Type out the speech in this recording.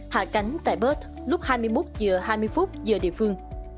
hạ cánh tại bớt lúc hai mươi một h hai mươi giờ địa phương